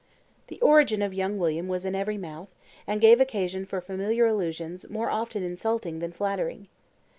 The origin of young William was in every mouth, and gave occasion for familiar allusions more often insulting than flattering.